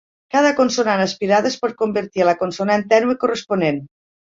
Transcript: Cada consonant aspirada es pot convertir a la consonant tènue corresponent.